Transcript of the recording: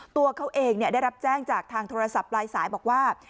ตัวเขาเองได้รับแจ้งจากทางโทรศัพท์ปลายสายบอกว่า